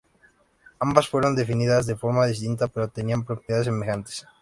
Ambas fueron definidas de forma distinta pero tenían propiedades semejantes.